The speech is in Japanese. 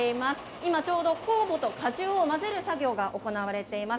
今ちょうど酵母と果汁を混ぜる作業が行われています。